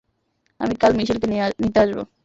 আমি কাল মিশেলকে নিতে আসব।